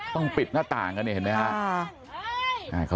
ปิดหน้าต่างกันเนี่ยเห็นไหมครับ